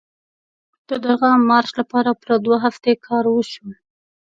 د دغه مارش لپاره پوره دوه هفتې کار وشو.